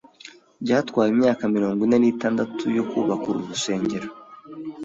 Byatwaye imyaka mirongo ine n'itandatu yo kubaka uru rusengero.